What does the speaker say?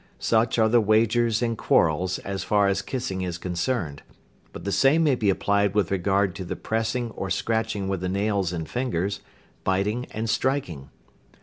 Such are the wagers and quarrels as far as kissing is concerned, but the same may be applied with regard to the pressing or scratching with the nails and fingers, biting and striking.